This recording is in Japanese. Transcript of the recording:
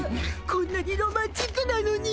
こんなにロマンチックなのに。